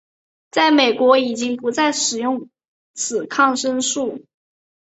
在美国已经不再使用此抗生素。